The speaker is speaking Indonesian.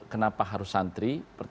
kenapa harus santri